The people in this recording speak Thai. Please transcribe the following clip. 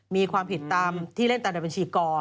มีความผิดตามที่เล่นตามในบัญชีกร